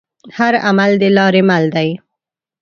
هر عمل دلارې مل دی.